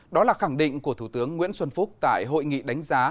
đó là khẳng định của thủ tướng nguyễn xuân phúc tại hội nghị đánh giá